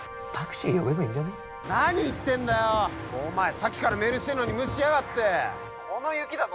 さっきからメールしてんのに無視しやがって☎この雪だぞ